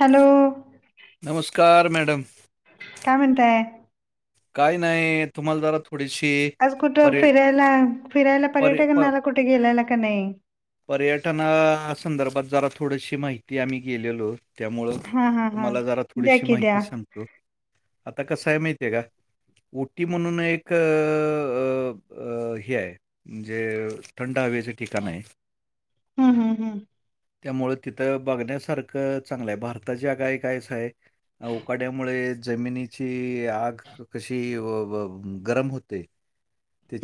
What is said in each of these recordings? Hello. नमस्कार madam. काय म्हणताय. काही नाही तुम्हाला जरा थोडीशी आज कुठं पर्य फिरायला फिरायला पर्य पर्यटकनाला कुठे गेलायला का नाही? पर्यटना संदर्भात जरा थोडीशी माहिती आम्ही गेलेलो. त्यामुळं हा हा हा तुम्हाला जरा द्या थोडीशी की द्या माहिती सांगतो आता कस आहे माहितीय आहे का? ओटी म्हणून एक हे आहे. म्हणजे थंड हवेचे ठिकाण आहे. हम्म हम्म हम्म त्यामुळं तिथं बघण्यासारखं चांगलं आहे गाय आहे. उकाड्यामुळे जमिनीची आग. कशी अब व गरम होते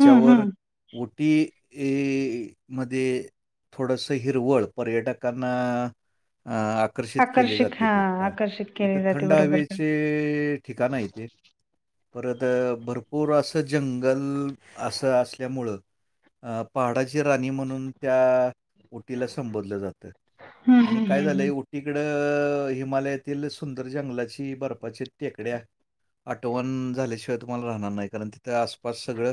हम्म हम्म उटी हे मध्ये. थोडंसं हिरवळ पर्यटकांना आक आकर्षित केले आकर्षक जाते हा ते आकर्षित तिथं केली जाते थंड बरोबर हवेचे ठिकाण आहे ते परत भरपूर असं जंगल असं असल्यामुळं. पहाडाची राणी म्हणून त्या ओटीला संबोधलं जात. हम्म हम्म हम्म हम्म. तिकडं हिमालयातील सुंदर जंगलाची बर्फाची टेकड्या. टवनल्याशिवाय तुम्हाला राहणार नाही कारण ती त्या आसपास सगळं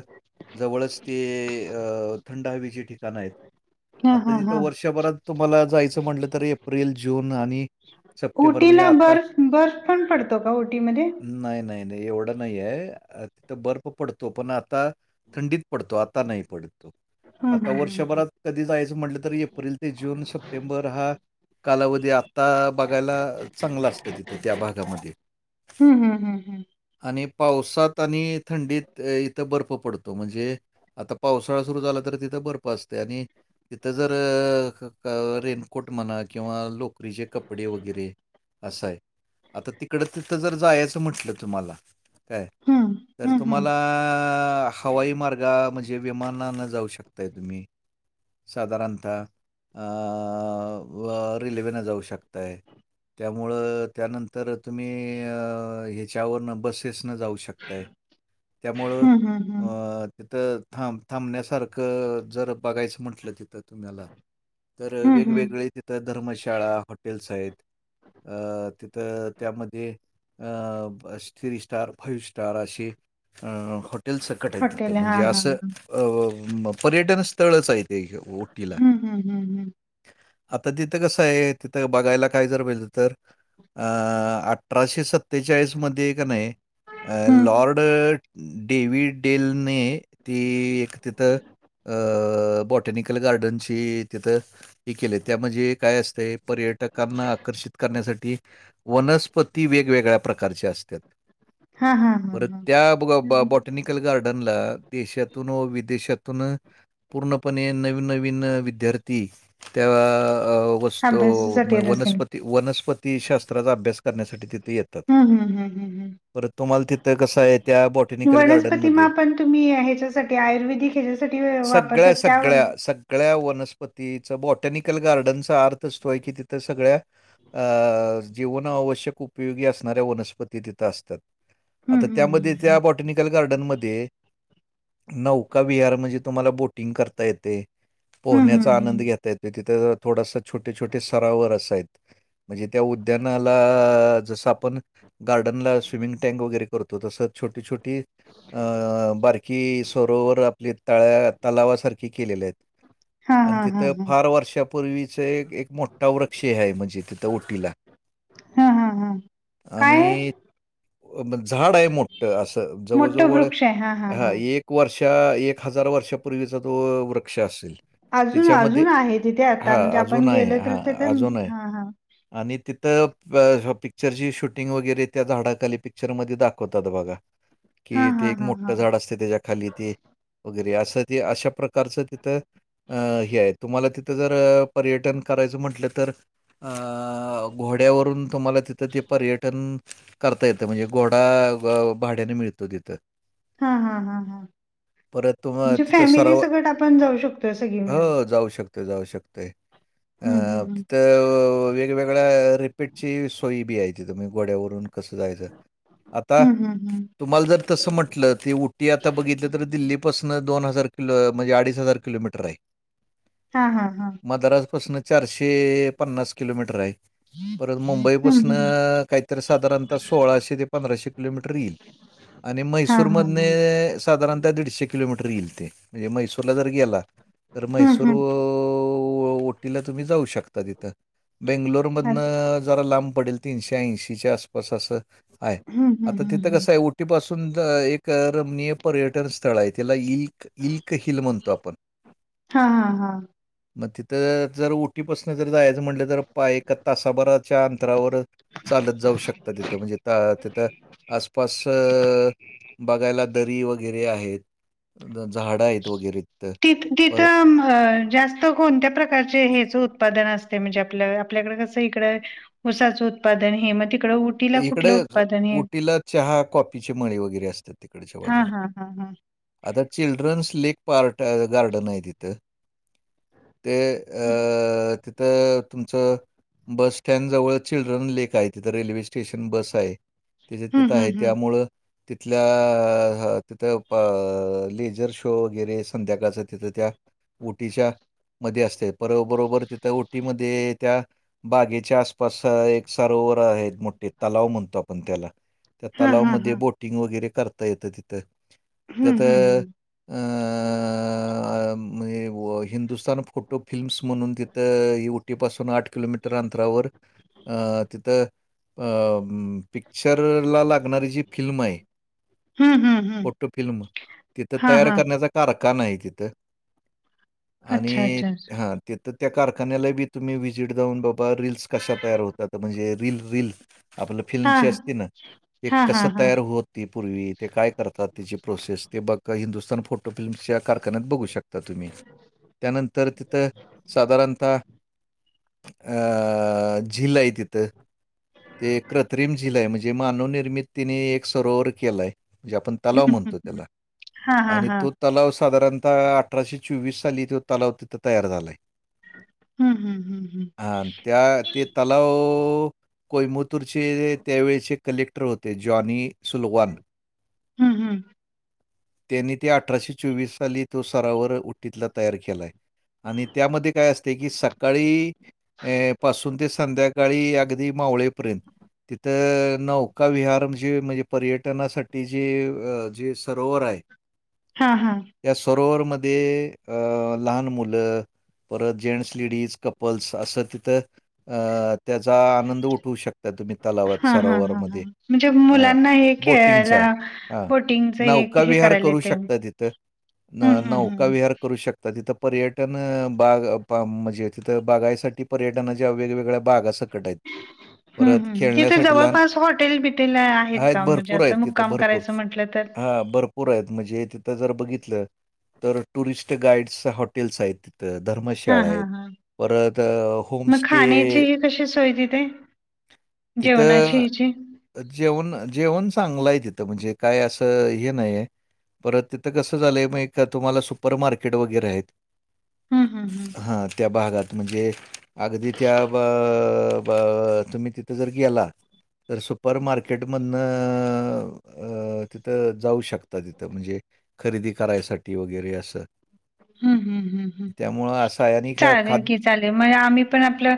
जवळच ते अ थंड हवीची ठिकाणं आहेत. हा आता हा जिथं हा वर्षभरात तुम्हाला जायचं म्हटलं त एप्रिल जून आणि सप्टेंबर म्हणजे उटीला आता बर्फ बर्फ पण पडतो का उटीमध्ये? नाय नाय नाय एवढं नाही आहे, तिथं बर्फ पडतो पण आता थंडीत पडतो आता नाही पडत तो. हम्म आता हम्म वर्षभरात कधी जायचं म्हटलं तर एप्रिल ते जून सप्टेंबर हा. कालावधी आत्ता बघायला चांगलं असतं त्या भागामध्ये. हम्म हम्म, हम्म हम्म. आणि पावसात आणि थंडीत इथं बर्फ पडतो म्हणजे. आता पावसाळा सुरु झाला तर तिथं बर्फ असते आणि तिथं जर एख रेनकोट म्हणा किंवा लोकरीचे कपडे वगैरे असा आहे. आता तिकडं तिथं जर जायचं म्हटलं तुम्हाला काय हम्म तर हम्म तुम्हाला हम्म हवाई मार्ग म्हणजे विमानानं जाऊ शकताय तुम्ही. साधारणता रेल्वेनं जाऊ शकताय. त्यामुळं त्यानंतर तुम्ही हे त्याच्यावरनं बसेसनं जाऊ शकत त्यामुळं हम्म हम्म हम्म हम्म तिथं. थांब थांबण्यासारखं जर बघायचं म्हटलं तिथं तुम्हाला. तर हम्म हम्म वेगवेगळे तिथं धर्मशाळा हॉटेल्स आहेत. तिथं त्यामध्ये, अ. थ्री स्टार फाईव्ह स्टार असे हॉटेल्स सकट आहेत त ते हॉटेल हा म्हणजे हा असं हा अ व पर्यटन स्थळच आहे ते ओटीला. हम्म हम्म हम्म हम्म. आता तिथं कसं आहे तिथं बघायला काय जर [unintelligible] तर अ अठराशे सत्तेचाळीश मध्ये का नाही अ हम्म लॉर्ड डेविड डेल ने ती एक तिथ अ बाँ टॅनिकल गार्डनची तिथं हे केले त्यामजे काय असतंय पर्यटकांना आकर्षित करण्यासाठी वनस्पती वेगवेगळ्या प्रकारचे असत्यात. हा हा हा परत हा त्या ब ग बॉ हम्म. बॉटनिक कल गार्डनला देशातून व विदेशातून पूर्णपणे नवीन नवीन विद्यार्थी त्या अ वस्तु अभ्यासासाठी म येत असेल वनस्पती वनस्पती शास्त्राचा अभ्यास करण्यासाठी ति हा हम्म हम्म हम्म हम्म. तुम्हाला तिथं कसं आहे त्या बॉटॅनिकल वनस्पती गार्डनमध्ये मा पण तुम्ही हे ह्याच्यासाठी आयुर्वेदिक ह्याच्या साठी सगळ्या, वापरतात त्याव सगळ्या, सगळ्या वनस्पतीचा बॉटॅनिकल गार्डनचा अर्थ असतोय की तिथं सगळ्या अ जीवन आवश्यक उपयोगी अस असणारे वनस्पती तिथं असतात हं, आता हं, त्यामध्ये त्या हं. बॉ टनिकल गार्डनमध्ये नौका विहार म्हणजे तुम्हाला बोटिंग करता येते. हं, पोहण्याचा हं, आनंद हं. घेताय तिथं थोडासा छोटे-छोटे सरावर असायत. म्हणजे त्या उद्यानाला जसं आपण गार्डनला स्विमिंग टँक वगैरे करतो तसच छोटी छो टी अ बारकी सरोवर आपली तळावा तलावासारखे केलेले आहेत. [inaudible] हां, आणि हां, हां, तिथं हां. फार वर्षापूर्वीचे एक एक मोठा वृक्ष आहे म्हणजे तिथं ओटीला. हा हा हा. आणि अ म झाड आहे मोठं असं मोठं जवळजवळ वृक्ष आहे. हां, हां, हा हां. एक एक वर्षा एक हजार वर्षापूर्वीचा तो वृक्ष असेल. अजून त्याच्यामध्ये अजून आहे तिथे आता हा म्हणजे आपण अजून गेलो तर हा तिथे अजून आहे. हां, हां. आणि तिथं प शॉपिग पिक्चरची शूटिंग वगैरे त्या झाडाखाली पिक्चरमध्ये दाखवतात बघा. हां, कि ते हां, एक हां, मोठं हां. झाड असते त्याच्या खाली ते वगैरे असं ते अशा प्रकारचं तिथं अ हे आहे तुम्हाला ति थ जरा पर्यटन करायचं म्हटलं तर अ घोड्यावरून तुम्हाला ति तर ते पर्यटन करता येतं म्हणजे घोडा भाड्याने ब ग मिळतो तिथं. हा हा हा हा परत तुम्हा म्हणजे तिथं फॅमिली सराव सगट आपण जाऊ शकतोय सगळी मिळून. तर जाऊ शकतोय अ हं, हं, हं. तिथं व वेगवेगळ्या रिपीटची सोयी बि आहे ती तुम्ही गोड्यावरून कसं जायचं आता हं, हं, हं. तुम्हाला जर तसं म्हटलं ती उटी आता बघितलं तर दिल्लीपासून दोन हजार किलो म्हणजे अडीच हजार किलोमीटर आहे. हा हा हा. दराज पासूनं चारशे पन्नास किलोमीटर आहे परत हं, मुंबईपासू हं. नं काहीतरी साधारण ता सोळाशे ते पंधराशे किलोमीटर हां, मैसूर हां, मध हां. साधारणत दीडशे किलोमीटर येईल ते मैसूरला जर गेला. तर हं, म्हैसूर हं. ओटीला तुम्ही जाऊ शकता तिथं. हं, बेंगलोरमधनं जरा लांब पडेल तीनशे ऐंशीच्या आसपास असं आहे. हं, आता हं, तिथं हं. कसं आहे उटीपासून एक रमणीय पर्यटन स्थळ आहे तिला इईल. इलक हिल म्हणतो आपण. हा हा हा. मग तिथं जर उटीपासन जर जायचं म्हटलं तर पा ए तासाभराच्या अंतरावर. चालत जाऊ शकत तिथं म्हणजे तिथं आसपास. बघायला दरी वगैरे आहेत झाडं आहेत वगैरे. तिथ पर तिथं जास्त कोणत्या प्रकारचे हेच उत्पादन असते म्हणजे आपल्या आपल्याकडे कसं इकड उसाचं उत्पादन हे मग तिकडं उ इकडे उटीला चहा कॉफीचे मळी वगैरे असतात तिकडच्या बाज हा हा, हा हा. आता चिल्ड्रन्स लेक पार्क गार्डन आहे तिथं. ते अ तिथ तुमचं बस स्टँड जवळ चिल्ड्रन लेक आहे तिथे रेल्वे स्टेशन बस आहे त्याच्या हम्म तिथं आहे हम्म हम्म त्यामुळ. तिथल्या तिथं लेझर शो वगैरे संध्याकाळच तिथं त्या. उटीच्या मध्ये असते बरोबर तिथं उटीमध्ये त्या बागेच्या आसपास एक सरोवर आहे मोठे, तलाव म्हणतो आपण त्याला. त्या हा हा तलावमध्ये हा बोटिंग वगैरे करता येतं तिथं हम्म त्यात. हम्म अ म्ह एक हिंदुस्थन फोटो फिल्मस म्हणून तिथं उटीपासून आठ किलोमीटर अंतरावर अ तिथं अ पिक्चर ला लागणारी जी फिल्म आहे. हम्म हम्म हम्म हम्म फोटो फिल्म तिथं हा हा करण्याचा. कारखाना आहे तिथं. आणि अच्छा अच्छा अच्छा हा. ते तर त्या कारखान्याला बी तुम्ही व्हिजिट जाऊन बाबा रीलस कशा तयार होतात म्हणजे रील रील आपलं फिल्मची असते ना ते हा हा हा कसं हा तयार होत. ती पूर्वी ते काय करतात तिची ते बघ हिंदुस्थान फोटो फिल्म्सच्या बघू शक तुम्ही त्यानंतर तिथं साधारणतः अ झील आहे तिथं. ते कृत्रिम जिला आहे म्हणजे मानवनिर्मिततीिने एक सरोवर केलाय म्हणजे आपण. हम्म तलाव हम्म म्हणतो हम्म त्याला हा हा आणि हा तो तलाव साधारणतः अठराशे चोवीस साली तो तलाव तिथं तयार झालाय. हम्म हम्म, हम्म हम्म. हा अन त्या ते तलाव केओंबंतूरचे कलेक्टर होते, जॉनी सुलवान. हम्म हम्म. त्यांनी ते अठराशे चोवीस साली तो सरावर उट्टीतला तयार केलाय. आणि त्यामध्ये काय असते की सकाळी. अ पासून ते संध्याकाळी, अगदी मावळे पर्यंत. तर नौका विहार म्हण जे म्हणजे पर्यटनासाठी जे जे सरोवर आहे. हा हा. या सरोवरमध्ये अं लहान मुलं. परत जेंट्स लेडीज कपल्स असं तिथं आ त्याचा आनंद उठवू शकता तुम्ही तलावात हा हा हा हा सरोवरमध्ये म्हणजे अ मुलांना हे बोटिंगचा खेळायला ह बोटिंगच हे नौका हे विहार करायला करू येतंय शकत हम्म तथं हम्म नौका हम्म विहा शकत तथ पर्यटन बागायसाठी पर्यटनाच्या वेगवेगळ्या बागा सकट आहेत. हं, परत हं. तिथे खेळण्यासाठी लहान जवळपास हॉटेल-बिटेल आहेत का? म्हणजे भरपूर आहेत असं तिथं मुक्काम भरपूर. करायचं म्हटलं तर? हा भरप पुर आहेत म्हणजे तिथं जर बघितलं तर टुरिस्ट गाईडस हॉटेल्स आहेत. तर हां, धर्मशाळा आहेत. हां, हां. परत अ, मग होमस्टे खाण्याची ह कशी सोय तिथे? जेवणाची तिथं हेची. जेवण जेवण चांगलं आहे तिथं म्हणजे काय असं हे नाहीय. परत तिथं कसं झालंय मग का तुम्हाला सुपर मार्केट वगैरे आहेत. हम्म हम्म हं. हां त्या भागात म्हणजे अगदी त्या तुम्ही तिथ. जर गेला तर सुपर मार्केटमधन. अ तिथं जाऊ शकता तिथं, म्हणजे खरेदी करायसाठी वगैरे असं हम्म हम्म हम्म, हम्म. त्यामुळं असं आहे आणि खा चालेल खाद की चालेल मग आम्ही पण आपलं.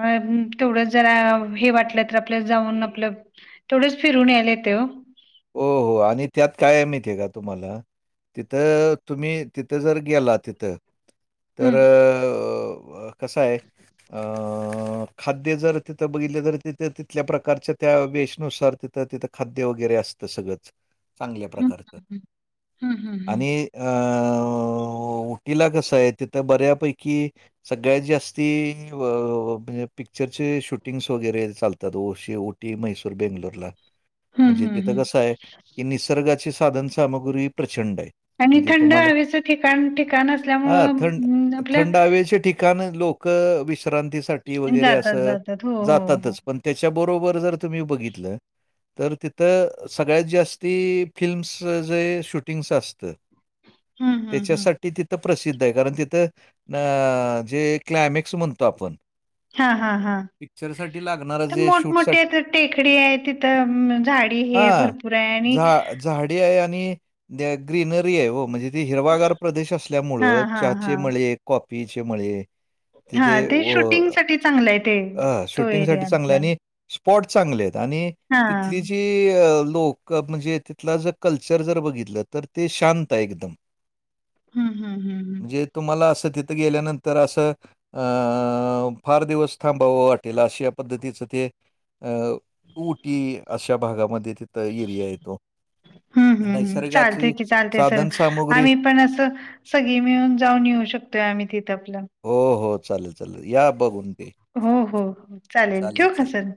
अ तेवढं जरा हे वाटलं तर आपल्या जाऊन आपलं. थोडंच फिरून यायला येतंय ओ. हो हो आणि त्यात काय आहे माहिती आहे का तुम्हाला? तिथं तुम्ही तिथं जर गेला तिथं. तर हं. कस आहे. अ खाद्य जर तिथं बघितले तर तिथं तिथल्या प्रकारच्या त्या वेशनुसार तिथं तिथं. खाद्य वगैरे असत सगळंच चांगल्या हं, प्रकारच हं, हं. हं, हं, हं. आणि अ उटिला कस आहे तिथं बऱ्यापैकी. सगळ्यात जास्ती म्हणजे पिक्चरचे शूटिंग्स वगैरे चालतात, ओ शेवट मैसुर बंगलोर ला. हं, म्हणजे हं, तिथं हं. कसं आहे की निसर्गाची साधन सामुग्री प्रचंड आहे. आणि म्हणजे थंड तुम्हाला हवेचं ठिकाण ठिकाण हां, थंड असल्यामुंळ आपल थंड हवेचे ठिकाण लोक विश्रांतीसाठी वगैरे अस जातात, जातात. हो, हो, हो. जातातच पण त्याच्याबरोबर जर तुम्ही बघितलं तर ती तर सगळ्यात जास्ती फिल्मस जे शूटिंगच असतं. हं, हं, हं. त्याच्यासाठी तिथ प्रसिद्ध आहे कारण तिथं अ जे क्लायमेक्स म्हणतो आपण. हा हा हा, पिक्चरसाठी लागणारं तर जे मोठमोठे शूटसाठी ते टेकडी आहे तिथं झाडी हे हां. भरपूर आहे आणि झा झाडी आहे आणि ग्रीनरी आहे ओ म्हणजे. ते हिरवागार प्रदेश असल्यामुळ हा हा हा चहाचेमळे कॉपीचे मळे. तेथ हा व. ते चांगल आहे ते. अ तो शूटिंग एरिया साठी चांगल आपला आणि स्पॉट चांगले आहेत आणि तिथली हां. जी. ती लोक म्हणजे तिथला जर कल्चर बघितलं तर ते शांत आहे एकदम. [inaudible] हम्म हम्म, हम्म हम्म. म्हणजे तुम्हाला असं तिथं गेल्यानंतर असं अं फार दिवस. थांबावं वाटेल अशा पद्धतीचं ते अ ऊटी अशा भागामध्ये ते थ एरिया आहे तो. हम्म हम्म हम्म. चालते नैसर्गाची की चालते सर साधन सामुग्री आम्ही पण असं. सगळी मिळून जाऊन येऊ शकतोय, आम्ही तिथ आपल हो हो चालेल चालेल या बघून ते. हो हो, हो चालेल ठेऊ का सर?